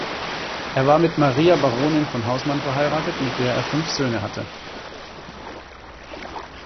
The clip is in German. Er war mit Maria Baronin von Hausmann verheiratet, mit der er fünf Söhne hatte.